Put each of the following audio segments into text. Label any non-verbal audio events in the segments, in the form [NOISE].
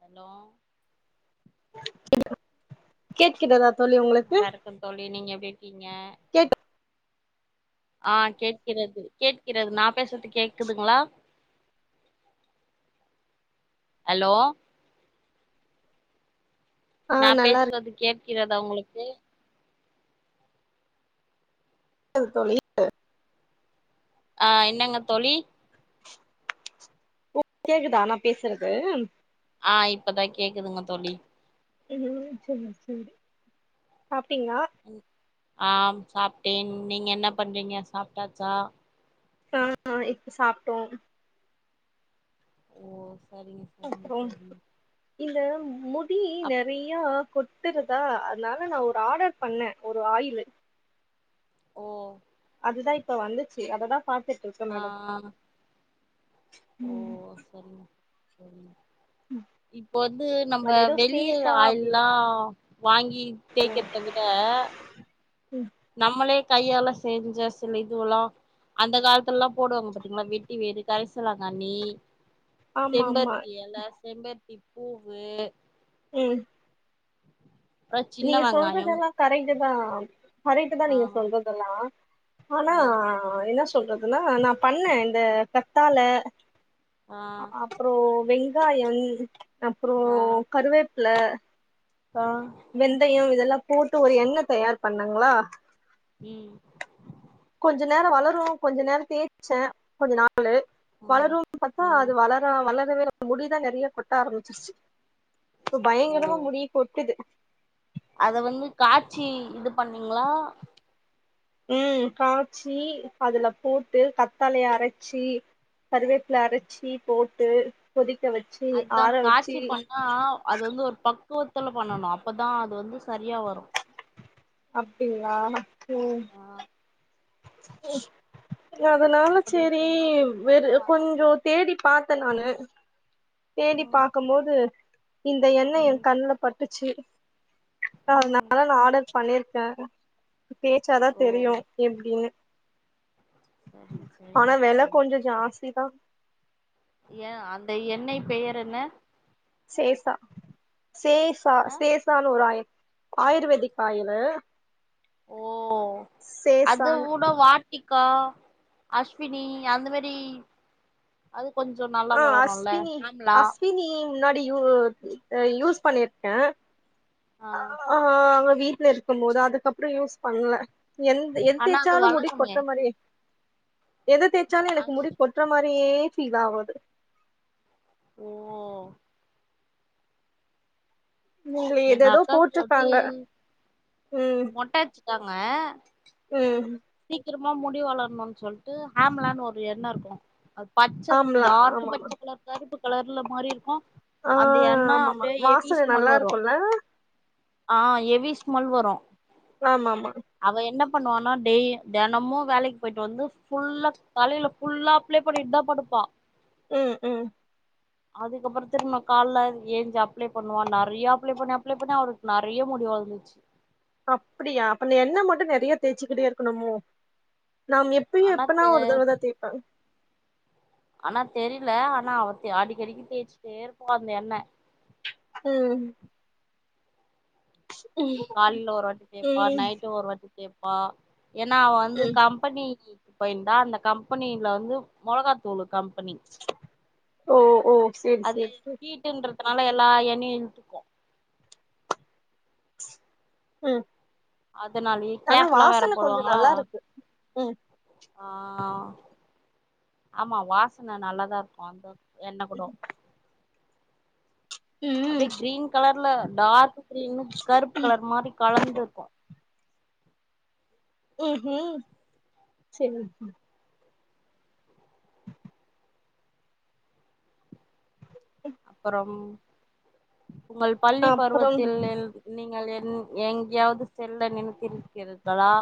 hello கேட்கிறதா தோழி உங்களுக்கு நல்லா இருக்க தோழி நீங்க நீங்க கேக் அஹ் கேட்கிறது கேட்கிறது நா பேசுறது கேக்குதுங்களா ஹலோ ஆ நா நல்லா பேசுறது கே கிறதா உங்ளுக்கு [UNINTELLIGIBLE] ஆ என்னங்க தோழி ஓ கேக்குதா நா பேசுறது அ இப்பதா கேக்குதுங்க தோழி ம் செர் செரி சாப் ட்டிங்ளா ஆம் சாப்ட்டேன் நீங்க என்ன பண்றீங்க சாப்ட்டாச்சா ஆ இப்ப சாப்ட்டோ ஓ செரிங்க செரிங்க அப்றோ தோழி இந்த மு டி அப் நெறையோ கொட்டுருதா அத்னால நா ஒரு ஆடர் பண்ண ஒரு ஆயிலு ஓ அதுதா இப்ப வந்துச்சு அததா பாத்துட்ருக்க ஆ மேடம் ஓ ம் செரிங்க ம் இப்போ வந்து நம்ப அது ஏதோ வெளிய சேஃபா அப்டின்னு ஆய்ல்லா வாங்கி தேக்கிற்த விட ம் நம்மளே கையால செஞ்ச சில இதுவெல்லா அந்த காலத்துல எல்லா போடுவாங்க பாத்தீங்களா வெட்டி வேறு கரிசலாங்கண்ணி ஆமா ஆமா செம்பருத்தி எல செம்பருத்தி பூவு ம் அப்றோ சின்ன நீங்க வெங்காயம் சொல்றதெல்லாம் கரை ட்டுதா கரட்டுகு தா ஆ நீங்க சொல்றதெல்லா ஆனா ஆ என்ன சொல்றதுன்னா நா பண்ண இந்த கத்தால ஆ அப்புறம் வெங் வெங்காயம் அப்புறம் ஆ கருவேப் இல ஆ வெந்தயம் இதெல்லா போட்டு ஒரு எண்ணெய் தயார் பண்ணங்களா உம் கொஞ்ச நேரம் வளரும் கொஞ்ச நேரம் தேய்சச்ச கொஞ்ச நாள் ம் வளரும்னு பாத்தா ம் அது வளரா வள [UNINTELLIGIBLE] முடிதா நெறையா கொட்ட ஆரம்பிச்சிர்ச்சி இப்ப ஓ பயங்கரமா முடி கொட்டுது அத வந்து காட்சி இது பண்ணிங்ளா உம் காச்சி அதுல போட்டு கத்தாழைய அரச்சி கருவேப்ல அரச்சி போட்டு கொதிக் அதுதா காச்சி பண்ணா அது வந்து ஒரு பக் குவத்துல பண்ணணு அப்பதா அது வந்து சரியா வரு அப்டிங்ளா உம் ஆ ஹ [INAUDIBLE] யதனால அப்படி சேரி இல்லன்னா அது வேரு சரியா வராது கொஞ்சொ தேடி பாத்தெ நானு தேடி ம் பாக்கொம் போது இந்த எண்ணெ ம் என் கண்ணுல பட்டுச்சி ம் அதனால நா ஆர்டர் பண்ணிர்க் யார தேச்சாதா ஓ தெரியு எப்டின்னு சரிங்க ஆனா வெல சரிங்க கொஞ்சொ ஜாஸ்திதா ஏ அந்த எண்ணெய் பெயர் என்ன சேஃபா சேஃபா அ சேஃபானு ஒரு ஆயில் ஆயுர்வேதிக் ஆயிலு ஓ அது சேசான்னு ஊட வா இன்டிகா அஸ்வினி அந்த மாரி அது கொஞ்சோ நல்லா ஆ வளருல்ல அஸ்வினி ஆம்லா அஸ்வினி முன்னாடி யூ யூஸ் பண்ணிருக்க ஆ ஆஹ் அவர் வீட்ல இருக்கும்போது அதுக்கப்றோ யூஸ் பண்ணல எந்த எத ஆனா அது தேச்சாலு முடி வளருமே கொட்ற மாரி எத தேய்சாலு எனக்கு அஸ் முடி கொட்ற மாரி இப்பயே ஃபீல் ஆவுது ஓ வேற எங்க எதேதோ அக்காக்கு வந்து போட்ருக்காங்க உம் க்காங்க உம் சீக்கரமா முடி வளர்ணு சொல்டு ஹேம்லானு ஒரு எண்ணெ இருக்கூ பச்ச ஆம்லா டார்க் ஆமாமா பச்ச கலர் கருப்பு கலர்ல மாறி இருக்கு ஆ அந்த எண்ணா ஆமாமா அப்டியே ஏவீ வாசன ஸ்மெல் நல்லா வரு இருக்குல்ல ஆ எவி ஸ்மெல் வரு ஆமா ஆமா பண்வானா டெய் தெனமு வேலைக்கு போயிட்டு வந்து ஃபுல்லா தலையில ஃபுல்லா அப்ளே பண்ணிட்டு தா படுப்பா உ உ அதுக்கப்ரோ திரும்ம கால்ல ஏஞ்ச அப்ளே பண்ணுவா நெறைய அப்ளே பண்ணி அப்ளே பண்ணி அவருக்கு நெறைய முடி வளந்துச்சி அப்டியா அப்ப நீ என்ன மட் டு நெறைய தேச்சிக்கிட்டே இருக்கணுமோ நாம் எப்பியு ஆனா எப்பனா தெ ஒரு தடவ தா தேய்ப்ப ஆனா தெரியில ஆனா அவத் தே அடிக்கடிக்கு தேய்ச்சிட்டே இருப்பா அந்த எண்ண உம் காலில ஒருவாட்டி தேப்பா ம் நைட்டு ஒருவாட்டி தேப்பா ஏன்னா அவ வந்து ம் கம்பனிகி இப்ப இந்தா அந்த கம்பனியில வந்து மொளகாத்தூளு கம் ஓ ஓ செரி செரி செரி அதனால எல்லா எண்ணையு இழுத்துக்கொ ம் அதனாலயே ஆனா கேப் எல்லாம் வேற வாசன கொஞ்சோ போடுவாங்களா நல்லா இருக்கு ம் ஆ ஆமா வாசனை நல்லாதான் இருக்கும் அந்த என்ன கூட அப்படியே ம் கிரீன் கலர்ல டார்க் க்ரீனு கருப் கலர் மாரி கலந்துருக்கு ம் ஹூ செரி அப்பறம் உங்கள் பள்ளி அப்றம் பருவத்தில் இல் நீங்கள் ம் எங்யாவ்து செல்ல நினைத்திருக்கிறிர்களா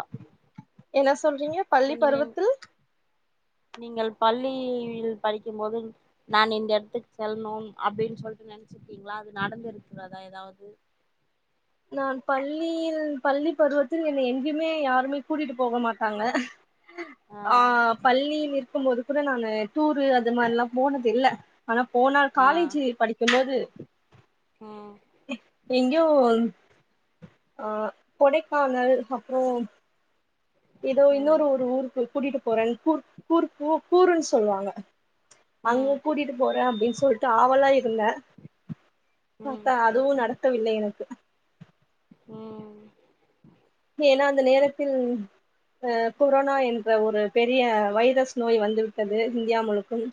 என்ன சொல்றீங்க பள்ளி பருவத்தில் நீங்கள் பள்ளியில் படிக்கும்போது நான் இந்த இடத்துக்கு செல்லணும் அப்புடின்னு சொல்ட்டு நெனைச்சிக்கீங்களா அது நடந்திருக்கிறதா ஏதாவது நான் பள்ளியில் பள்ளி பருவத்தில் என்னை எங்கியுமே யாருமே கூட்டிட்டு போக மாட்டாங்க ஆ பள்ளியில் இருக் க்கும்போது கூட நானு டூரு அது மாரி ல்லா போனது இல்ல ஆனா போனால் ஆ காலேஜ் படிக்கும்போது ம் எங்கியோ ஆஹ் கொடைக்கானல் அப்புறம் ஏதோ ம் இன்னொரு ஒரு ஊருக்கு கூட்டிட்டு போறன்னு கூர் கூர்க் கூர்குன்னு சொல்லுவாங்க அங்க ம் கூட்டிட்டு போற அப்டின்னு சொல்லிட்டு ஆவளா ம் பாத்தா அதுவும் நடக்கவில்லை எனக்கு உம் ஏன்னா அந்த நேரத்தில் அஹஹ் கொரோனா என்ற ஒரு பெரிய வைரஸ் நோய் வந்துவிட்டது இந்தியா முழுக்கும்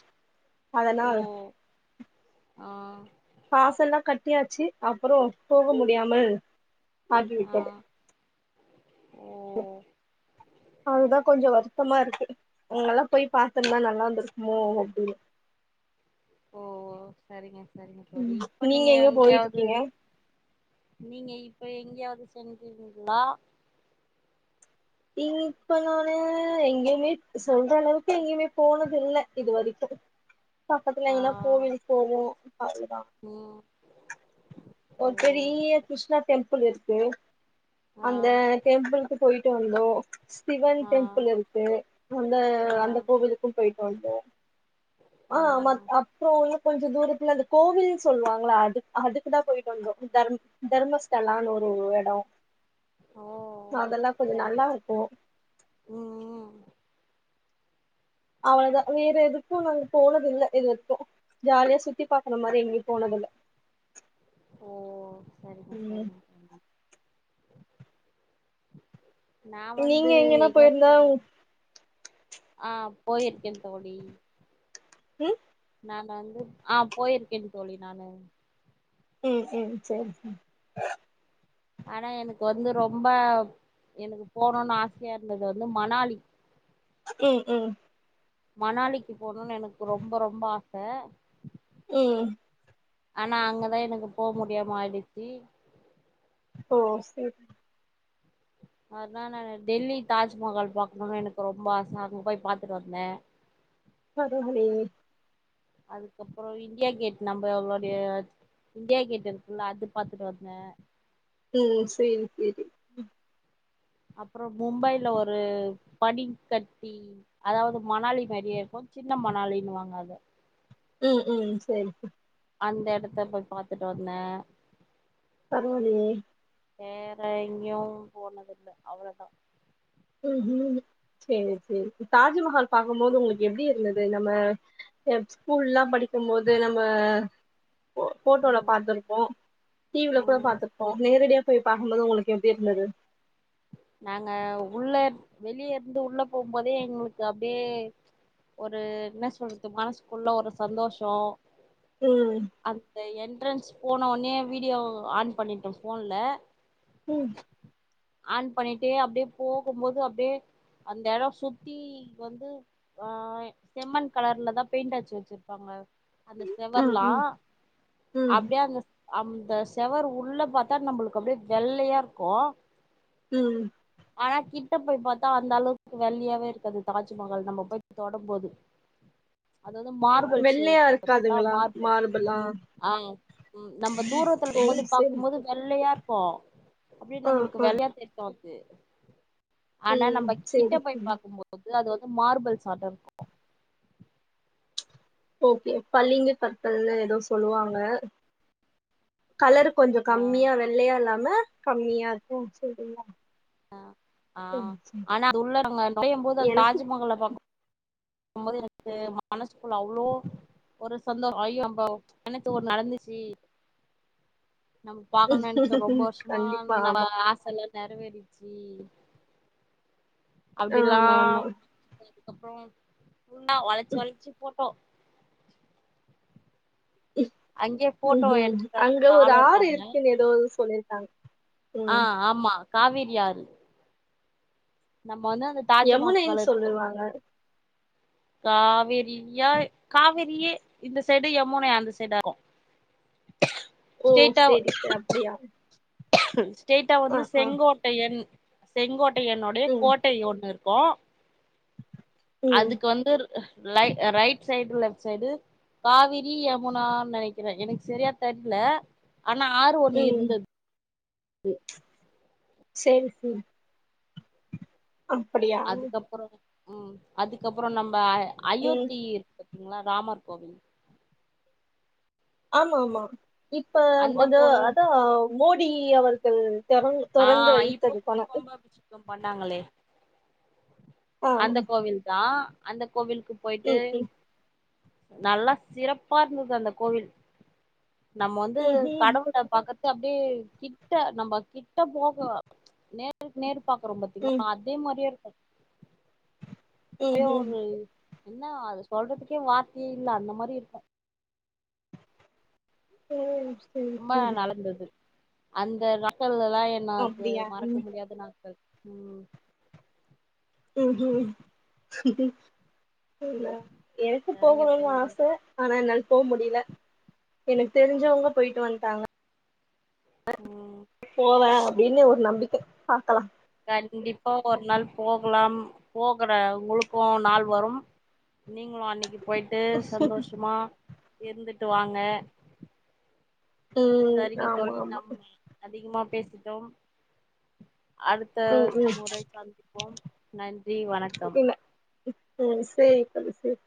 அதனால் ஆஹ் காசெல்லாம் கட்டியாச்சு அப்புறம் போக முடியாமல் ஆகி ஆ விட்டது ஓ அதுதா கொஞ்சோ வருத்தமா இருக்கு அங்கெல்லா போய் பாத்திருந்தா நல்லா இருந்திருக்குமோ அப்டின்னு ஓ சரிங்க சரிங்க தோழி இப்ப நீங்க எங்க போயிட்டு எங்கியாவது இருக்கீங்க நீங்க இப்ப எங்கேயாவது சென்றீங்களா இல் இப்ப நானு எங்கேயுமே சொல்ற அளவுக்கு எங்கேயுமே போனது இல்ல இது வரைக்கு பக்கத்துல ஆ எங்கனா கோவில் போவோம் அவ்ளோதான் ம் ஓ ஒரு பெரிய கிருஷ்ணா டெம்பல் இரு க்கு ஆ அந்த டெம்பிள்க்கு போயிட்டு வந்தோ சிவன் ஆ டெம்பிள் இருக்கு அந்த ஆ அந்த கோவிலுக்கும் போயிட் வந்தோம் ஆ ஆஹ் ஆம்மா அப்புறோ கொஞ்ச தூரத்துல அந்த கோவில் சொல்லுவாங்களா அதுக் அதுக்குதான் போயிட்டு வந்தே தர்ம் தர்மஸ்தலான்னு ஒரு ஒரு இடம் ஓ அதெல்லா கொஞ்சோ சரி நல்லா இருக்கும் ம் ம் அவ்ளோதான் வேற எதுக்கும் நாங்க போனதில்ல இதுவரைக்கும் ஜாலியா சுத்தி பாக்கற மாரி எங்கயும் போனதில்ல ஓ சேரிங்க ம் சேரிங்க நா நீங்க வந்து எங்கன்னா எங்க போயிருந்தா போ ஆஹ் போயிருக்கேன் தோழி உம் நா வந்து ஆஹ் போயிருக்கே தோழி நானு உம் உம் செரி செரி ஆனா எனக்கு வந்து ரொம்ப எனக்கு போணும்னு ஆசையா இருந்தது வந்து மணாலி உம் உம் மணாலிக்கு போணும்னு எனக்கு ரொம்ப ரொம்ப ஆச உம் ஆனா அங்கதா எனக்கு போமுடியாம ஆயிடிச்சி ஓ செரி அதனால டெல்லி தாஜ்மஹால் பாக்கணுனு எனக்கு ரொம்ப ஆச அங்க போய் பாத்துட்டு வந்தே சகோதரி அதுக்கப்புற இந்தியா கேட் நம்மளோடைய இண்டியா கேட் இருக்குல்ல அது பாத்துட்டு வந்தே ம் சேரி சேரி அப்புறொ மும்பைல ஒரு பனிக்கட்டி அதாவது மணாலி மாரியே இருக்கு சின்ன மணாலின்னுவாங்க அத உம் உம் சேரி அந்த எடத்த போய் பாத்துட்டு வந்தே பரவால்லயே வேற எங்கயு போனதில்ல அவ்ளோதா ஹம் ஹம் சேரி சேரி தாஜ்மஹால் பாக்கும்போது உங்களுக்கு எப்படி இருந்தது நம்ம ஸ்கூல்லா படிக்கும் போது நம்ம ஃபோ ஃபோட்டோல ம் பாத்துருப்போ டி வி ல கூட ம் பாத்துருப்போ நேரடியா போய் பாக்கும்போது உங்களுக்கு எப்படி இருந்துது நாங்க உள்ள வெளிய இருந்து உள்ள போகும்போதே எங்களுக்கு அப்படியே ஒரு என்ன சொல்றது மனசுக்குள்ள ஒரு சந்தோஷொ ம் அந்த என் ஃப்ரென்ஸ் போன ஒடனயே வீடியோ ஆன் பண்ணிட்டோ ஃபோன்ல உம் ஆன் பண்ணிட்டே அப்டியே போகும்போது அப்டியே அந்த எடம் சுத்தி வந்து ஆ செம்மண் கலர்ல தா பெயிண்ட் அச்சு வெச்சிருப்பாங்க அந்த ம் செவர்லா ம் ம் அப்டியே அந்த ஸ் அந்த செவர் உள்ள பாத்தா நம்புளுக்கு அப்டே வெள்ளையா இருக்கு ம் ஆனா கிட்ட போய் பாத்தா அந்த அளவுக்கு வெள்ளையாவே இருக்காது தாஜ்மஹால் நம்ப போய்ட் தொட போது அதாவது மார்பல்ஸ் வெள்ளையா [UNINTELLIGIBLE] பாத்தீங்களா இருக்காதுங்களா மார்பல் மார்பெல்லா ஆ ம் நம்ப தூரத்துல ஓ இருக்கு போது செரி பாக்கும்போது செரி வெள்ளையாருக் போ அப்புடியே ஆ நம்புளுக் க்கு ஆ வெள்ளையா [UNINTELLIGIBLE] து ஆனா நம்ப ம் கிட்ட செரி போய் பாக்கும்போது இல்ல அது வந்து மார்புல்ஸாட்டோ இருக்கு ஓகே பளிங்கு கற்கள்லே ஏதோ சொல்லுவாங்க கலரு கொஞ்சோ ஆ கம்மியா வெள்ளையா இல்லாம கம்மியா இருக்கும் சொல்றீங்ளா அ ஆ ஆனா அது உள்ள நம்ம நுழையும் போது அது எனக்கு தாஜ்மஹல்ல பாக்கும் ம் போது எனக்கு மனசுக்குள்ள அவ்வுளோ ஒரு சந்தோஷம் அய்யோ நம்போ நனச்சு ஒன்னு நடந்துச்சு நம் பாக்கணும் நனச்ச ரொம்ப வருஷமா கண்டிப்பா நம்ப ஆமா ஆச இல நெறவேறிர்ச்சி அப்டில்லா ஆமா ஆமா அப்புறோ உன்னா வளச்சி வளச்சி போ பொ போட்டோ ம்ஹு எடுத்து அங்க தரதுக்கு ஒரு ஆளு ஆறு இருக்குன்னு எதோ சொல்லி கங் ஆஹ் ஆமா காவேரி ஆறு நம்ம வந்து அந்த யமுனைன் தாஜ்மஹால் இருக்கு சொல்லுவாங்க காவேரியா காவிரியே இந்த சைடு யமுனை அந்த சைடாக்கு ஓ செரி செ அப்டியா ஸ்டெய்ட்டா ஆ வந்து ஆ செங்கோட்டையன் செங்கோட் என்னுடைய ம் கோட்டை ஒன்னு இர் பா ம் அதுக்கு வந்து லை right side left side Kaveri யமுனான் நெனைக்கிறே எனக் செரியா தெர்ல ஆனா ஆறு ஒண்ணு ம் இருந்தது உ செல்ஃபி அப்படியா அதுக்கப்புறோ ம் அதுக்கப்புறோ நம் அ ம் அயோத்தி இருக்கு ங்ளா ராமர் கோவில் ஆமா ஆமா இப்ப அந்த அது கோவில் அதா உ மோடி அவர்கள் தெறந் அ தொறந்து இப்ப வைத்தது கூட கணக்கு கொம்பாபிசேகம் பண்ணாங்களே ஆ அந்த ம் கோவில் தா அந்த கோவில்க்கு போய்ட்டு ம் நல்லா சிறப்பாருந்தது அந்த கோவில் நம்ம வந்து ம் ம் கடவுள பாக்க அப்டே கிட்ட நம்ம கிட் கிட்ட போகு நேருக்கு நேருக்கு பாக்குறோ ம் பாத்தீங்ளா அதே மாரியேருக்கு ம் ம் அப்டியே ம் ஒரு என்ன அது சொல்றதுக்கே வார்த்தையே இல்ல அந்த மாதிரிருக்கு ம் ரொம்ப நலந்தது அந்த [UNINTELLIGIBLE] [UNINTELLIGIBLE] என்ன அது அப்டியா மறக்க முடியாதுண்ணா [INAUDIBLE] ம் ம் [UNINTELLIGIBLE] எனக்கு சரிங்க போகணுனு தோழி ஆச ஆனா என்னால போ முடில எனக்கு தெரிஞ்சவங்க போய்ட்டு வன்ட்டாங்க ம் போவ ப்டினு ஒரு நம்பிக்க பாக்கலா கண்டிப்பா ஒரு நாள் போகலா போகற உங்ளுக்கு நாள் வரும் நீங்களு அன்னக்கி போய்ட்டு சந்தோஷமா இருந்துட்டு வாங்க ம் சரிங்க ஆமா தோழி ஆமா நம்ம அதிகமா பேசிட்டோ பே அடுத்த ம் ம் முறை சந்திப்போம் நன்றி வணக்கம் உம் சேரி தோழி சேரி